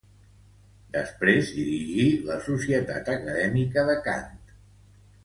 Després dirigí la Societat Acadèmica de Cant.